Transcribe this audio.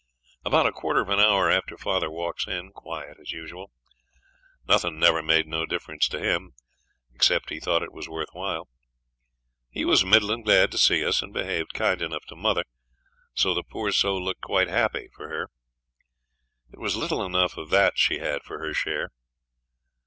About a quarter of an hour after father walks in, quiet as usual. Nothing never made no difference to him, except he thought it was worth while. He was middlin' glad to see us, and behaved kind enough to mother, so the poor soul looked quite happy for her. It was little enough of that she had for her share.